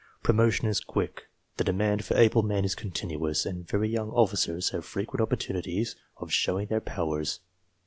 Promotion is quick, the demand for able men is continuous, and very young officers have frequent opportunities of showing their powers.